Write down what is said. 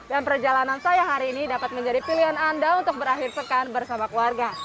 dan perjalanan saya hari ini dapat menjadi pilihan anda untuk berakhir sekan bersama keluarga